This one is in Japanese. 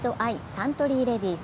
サントリーレディス。